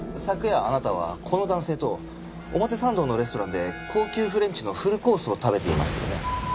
昨夜あなたはこの男性と表参道のレストランで高級フレンチのフルコースを食べていますよね？